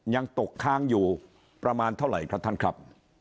ยังตกค้างอยู่ประมาณเท่าไหร่ครับท่านครับ